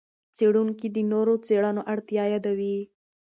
څېړونکي د نورو څېړنو اړتیا یادوي.